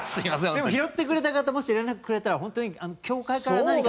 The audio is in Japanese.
でも拾ってくれた方もし連絡くれたら本当にプレゼント。